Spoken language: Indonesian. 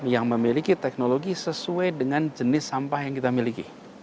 yang memiliki teknologi sesuai dengan jenis sampah yang kita miliki